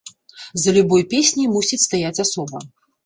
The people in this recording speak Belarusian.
За любой песняй мусіць стаяць асоба.